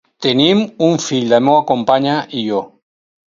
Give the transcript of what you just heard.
Tenim un fill la meua companya i jo.